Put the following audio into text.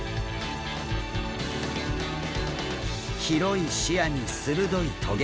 広い視野に鋭い棘。